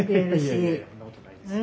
いやいやいやいやそんなことないですよ。